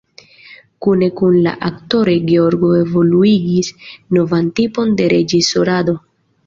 Kune kun la aktoroj Georgo evoluigis novan tipon de reĝisorado.